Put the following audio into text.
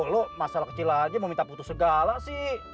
lo masalah kecil aja mau minta putus segala sih